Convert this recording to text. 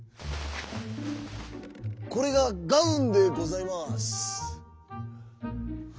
「これがガウンでございます」。